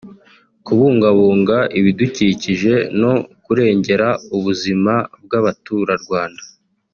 kubungabunga ibidukikije no kurengera ubuzima bw’Abaturarwanda